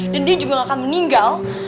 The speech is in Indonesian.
dan dia juga gak akan meninggal